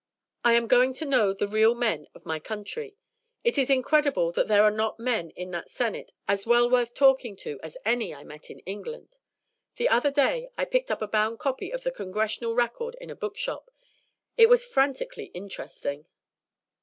I am going to know the real men of my country. It is incredible that there are not men in that Senate as well worth talking to as any I met in England. The other day I picked up a bound copy of the Congressional Record in a book shop. It was frantically interesting."